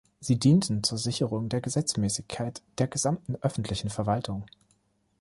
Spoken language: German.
Sie dienten der Sicherung der Gesetzmäßigkeit der gesamten öffentlichen Verwaltung.